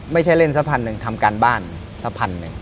ไม่ใช่เล่น๑๐๐๐หนึ่งทำการบ้าน๑๐๐๐หนึ่ง